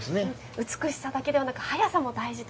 美しさだけではなく速さも大事と。